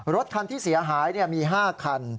รถคันที่เสียหายมี๕คัน